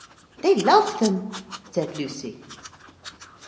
'They love them,' said Lucy.